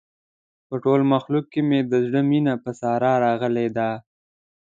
په ټول مخلوق کې مې د زړه مینه په ساره راغلې ده.